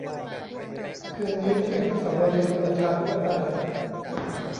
คืนนี้ที่อนุสาวรีย์ประชาธิปไตย